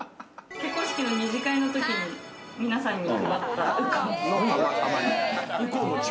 結婚式の２次会のときに皆さんに配ったウコンです。